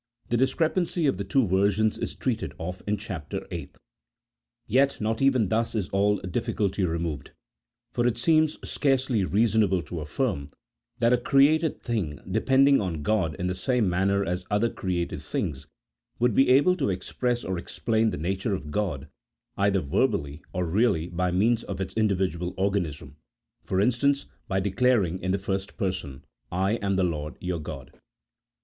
The discre pancy of the two versions is treated of in Chap. VIII. Yet not even thus is all difficulty removed, for it seems scarcely reasonable to affirm that a created thing, depend ing on God in the same manner as other created things, would be able to express or explain the nature of God either verbally or really by means of its individual organism : for instance, by declaring in the first person, " I am the Lord your God."